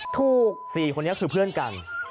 ถูก๔คนนี้คือเพื่อนกัน